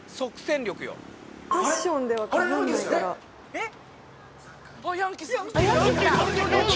えっ！？